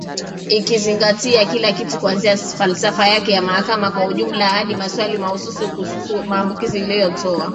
ikizingatia kila kitu kuanzia falsafa yake ya mahakama kwa ujumla hadi maswali mahususi kuhusu maamuzi ambayo aliyatoa